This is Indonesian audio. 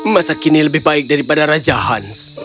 masa kini lebih baik daripada raja hans